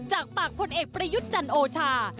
จากปากพลเอกประยุจรรย์โอชา